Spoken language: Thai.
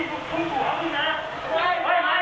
สัตว์เลยด้งแบบนี้